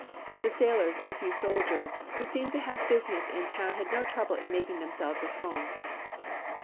The sailors and a few soldiers who seemed to have business in the town had no trouble in making themselves at home.